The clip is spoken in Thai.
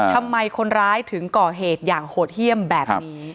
ทำไมคนร้ายถึงก่อเหตุอย่างโหดเยี่ยมแบบนี้